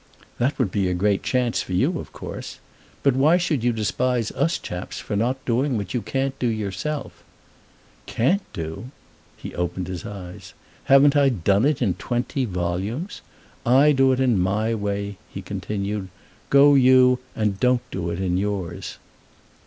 "That would be a great chance for you of course. But why should you despise us chaps for not doing what you can't do yourself?" "Can't do?" He opened his eyes. "Haven't I done it in twenty volumes? I do it in my way," he continued. "Go you and don't do it in yours."